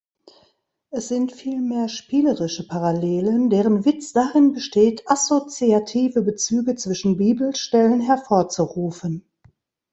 Es sind vielmehr spielerische Parallelen, deren Witz darin besteht, assoziative Bezüge zwischen Bibelstellen hervorzurufen.